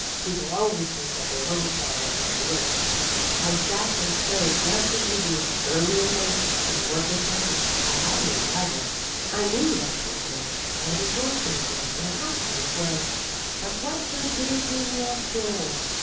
People always think that their own sorrows are the worst. I sat and sewed just as you do early and late; my work was perfect; I had no rival. I knew that it was good, and I rejoiced over it in a half hearted way; but what good did it do me after all?